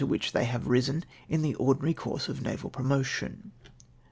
15 whicli they have risen in tlie ordinary coin se of naval promotion.